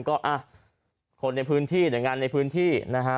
ก็คนในพื้นที่หลังงานในพื้นที่นะฮะ